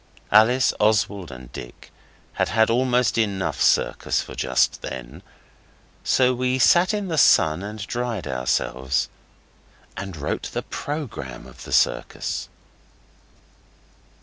Alice, Oswald and Dick had had almost enough circus for just then, so we sat in the sun and dried ourselves and wrote the programme of the circus.